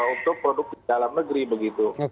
untuk produk di dalam negeri begitu